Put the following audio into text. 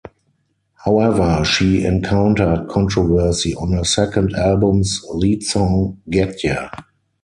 However, she encountered controversy on her second album's lead song Get Ya!